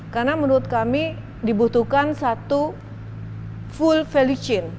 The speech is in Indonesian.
karena menurut kami dibutuhkan satu full value chain